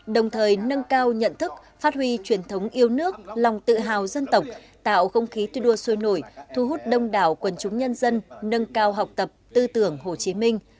đồng thời nâng cao nhận thức phát huy truyền thống yêu nước lòng tự hào dân tộc tạo không khí tuy đua sôi nổi thu hút đông đảo quần chúng nhân dân nâng cao học tập tư tưởng hồ chí minh